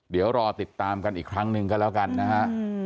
เดี๋ยวรอติดตามกันอีกครั้งหนึ่งก็แล้วกันนะฮะ